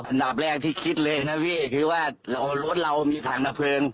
อันดับแรกที่คิดเลยนะพี่คือว่ารถเรามีถังดับเพลิง